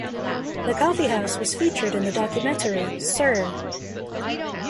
The coffee house was featured in the documentary Sir!